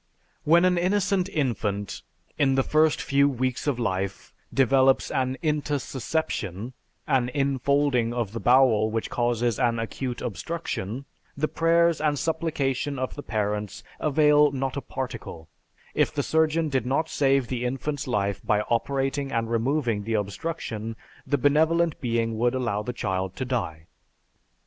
When an innocent infant, in the first few weeks of life, develops an intussusception (an infolding of the bowel which causes an acute obstruction), the prayers and supplication of the parents avail not a particle; if the surgeon did not save the infant's life by operating and removing the obstruction, the benevolent being would allow the child to die.